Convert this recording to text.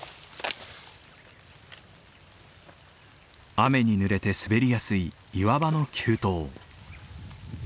雨にぬれて滑りやすい岩場の急登。